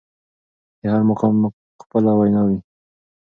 د هر مقام خپله وينا وي.